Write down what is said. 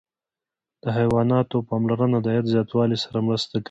د حیواناتو پاملرنه د عاید زیاتوالي سره مرسته کوي.